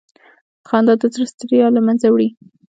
خندا د زړه ستړیا له منځه وړي.